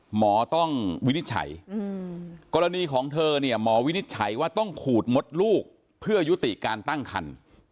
หมอต้องวินิจฉัยกรณีของเธอเนี่ยหมอวินิจฉัยว่าต้องขูดมดลูกเพื่อยุติการตั้งคัน